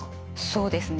そうですね。